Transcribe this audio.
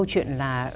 câu chuyện là